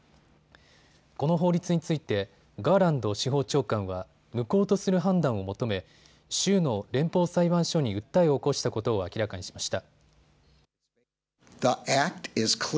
この法律についてガーランド司法長官は無効とする判断を求め州の連邦裁判所に訴えを起こしたことを明らかにしました。